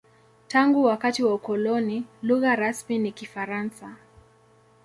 Tangu wakati wa ukoloni, lugha rasmi ni Kifaransa.